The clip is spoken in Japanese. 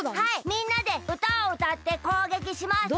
みんなでうたをうたってこうげきします。